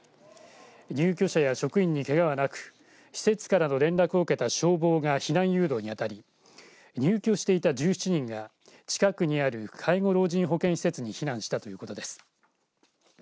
入居者や職員にけがはなく施設からの連絡を受けた消防が避難誘導に当たり入居していた１７人が近くにある介護老人保健施設に避難したということです。